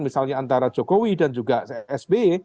misalnya antara jokowi dan juga sby